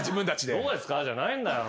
「どこですか？」じゃないんだよ。